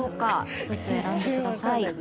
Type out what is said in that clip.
１つ選んでください。